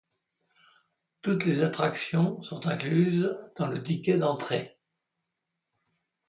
Toutes les attractions sont incluses dans le ticket d'entrée.